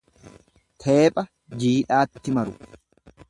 Teepha jiidhaatti maru.